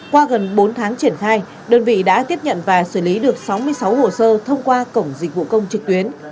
qua gần bốn tháng triển khai đơn vị đã tiếp nhận và xử lý được sáu mươi sáu hồ sơ thông qua cổng dịch vụ công trực tuyến